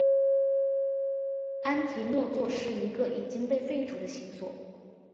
安提诺座是一个已经被废除的星座。